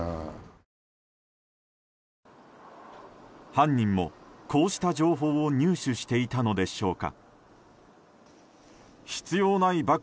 犯人も、こうした情報を入手していたのでしょうか。